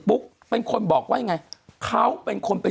คุณหนุ่มกัญชัยได้เล่าใหญ่ใจความไปสักส่วนใหญ่แล้ว